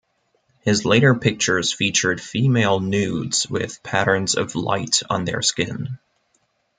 His later pictures featured female nudes with patterns of light on their skin.